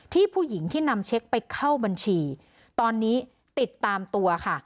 ผู้หญิงที่นำเช็คไปเข้าบัญชีตอนนี้ติดตามตัวค่ะ